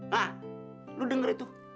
hah lu denger itu